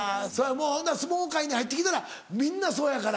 ほんなら相撲界に入って来たらみんなそうやから。